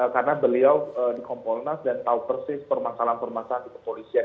karena beliau di kompolnas dan tahu persis permasalahan permasalahan di kepolisian